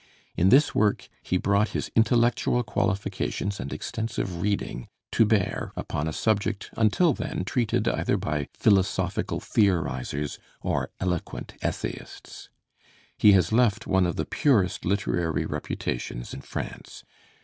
In this work he brought his intellectual qualifications and extensive reading to bear upon a subject until then treated either by philosophical theorizers or eloquent essayists. He has left one of the purest literary reputations in France.